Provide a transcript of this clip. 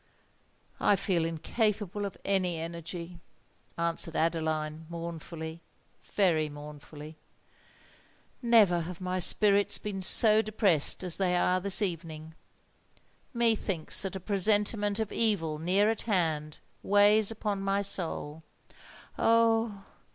"I feel incapable of any energy," answered Adeline, mournfully—very mournfully. "Never have my spirits been so depressed as they are this evening. Methinks that a presentiment of evil near at hand, weighs upon my soul. Oh!